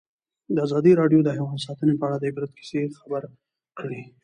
ازادي راډیو د حیوان ساتنه په اړه د عبرت کیسې خبر کړي.